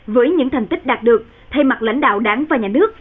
với những thành tích đạt được thay mặt lãnh đạo đảng và nhà nước